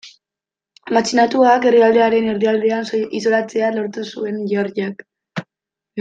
Matxinatuak herrialdearen erdialdean isolatzea lortu zuen Georgiak.